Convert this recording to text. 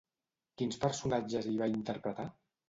Quins personatges hi va interpretar?